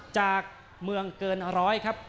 ยังเหลือคู่มวยในรายการ